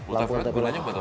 ultraviolet gunanya apa pak